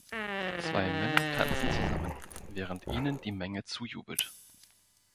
Zwei Männer tanzen zusammen, während ihnen die Menge zujubelt